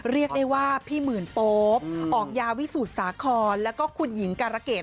เรียกได้ว่าพี่หมื่นโป๊ปออกยาวิสูจนสาครแล้วก็คุณหญิงการะเกด